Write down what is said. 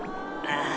ああ。